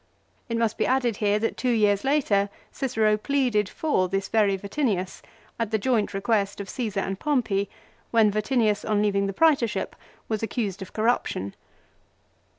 It must be added here that two years later Cicero pleaded for this very Vatinius, at the joint request of Csesar and Pompey, when Vatinius on leaving the prsetorship was accused of corruption.